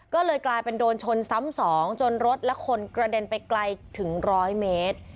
ก็เลยกลายเป็นโดนชนซ้ำสองจนรถและคนกระเด็นไปไกลถึง๑๐๐เมตร